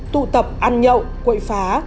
tụ tập ăn nhậu quậy phá